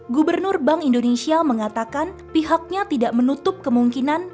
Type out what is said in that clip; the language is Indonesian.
gubernur bank indonesia mengatakan pihaknya tidak menutup kemungkinan